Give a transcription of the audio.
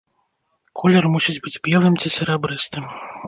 Колер мусіць быць белым ці серабрыстым.